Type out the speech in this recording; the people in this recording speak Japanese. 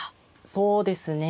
そうですね。